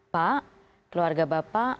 pak keluarga bapak